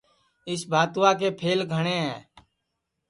اِس بھاتوا کے پَھل گھٹؔے ہے